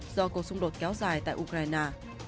do cuộc xung đột kéo dài tại ukraine